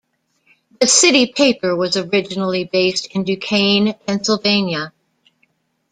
The "City Paper" was originally based in Duquesne, Pennsylvania.